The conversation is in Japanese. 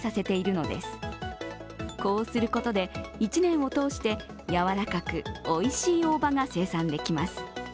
こうすることで１年を通してやわらかくおいしい大葉が生産できます。